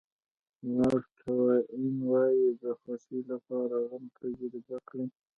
مارک ټواین وایي د خوښۍ لپاره غم تجربه کړئ.